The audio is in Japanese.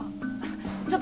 ちょっと！